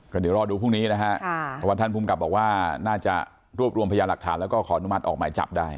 เดี๋ยวรอดูพรุ่งนี้นะฮะเพราะว่าท่านภูมิกับบอกว่าน่าจะรวบรวมพยาหลักฐานแล้วก็ขออนุมัติออกหมายจับได้